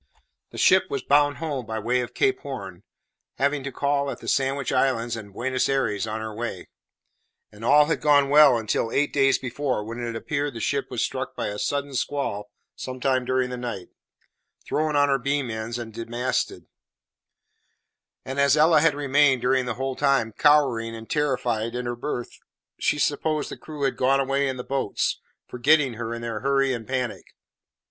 The ship was bound home by way of Cape Horn, having to call at the Sandwich Islands and Buenos Ayres on her way; and all had gone well until eight days before, when, it appeared, the ship was struck by a sudden squall some time during the night, thrown on her beam ends, and dismasted; and as Ella had remained, during the whole time, cowering and terrified in her berth, she supposed the crew had gone away in the boats, forgetting her in their hurry and panic.